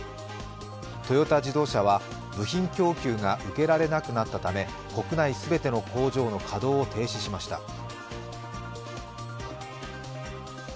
トヨタ自動車は部品供給が受けられなくなったため国内全ての工場の稼働を停止しました。